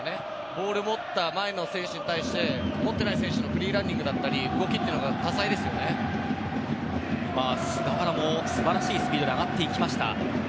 ボールを持った前の選手に対して持っていない選手のフリーランニングや、動きが菅原も素晴らしいスピードで上がっていきました。